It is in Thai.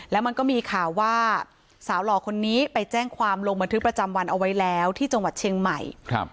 แล้วมันก็มีข่าวว่าสาวหล่อคนนี้ไปแจ้งความลงบันทึกประจำวันเอาไว้แล้วที่จังหวัดเชียงใหม่